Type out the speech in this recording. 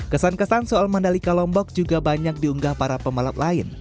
kesan kesan soal mandalika lombok juga banyak diunggah para pembalap lain